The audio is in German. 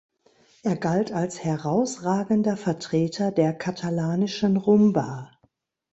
Er galt als herausragender Vertreter der katalanischen Rumba.